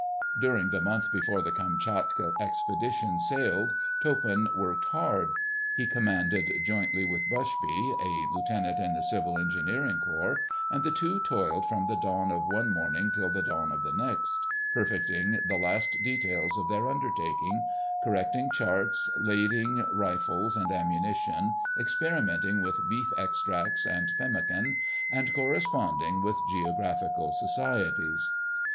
During the month before the Kamtchatka expedition sailed Toppan worked hard. He commanded jointly with Bushby, a lieutenant in the Civil Engineer Corps, and the two toiled from the dawn of one morning till the dawn of the next, perfecting the last details of their undertaking; correcting charts, lading rifles and ammunition, experimenting with beef extracts and pemmican, and corresponding with geographical societies.